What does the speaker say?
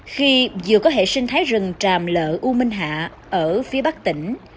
khi vừa có hệ sinh thái rừng tràm lợ u minh hạ ở phía bắc tỉnh